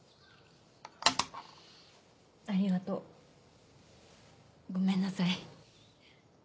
ありがとう。ごめんなさい。